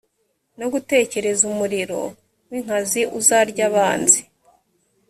no gutegereza umuriro w inkazi uzarya abanzi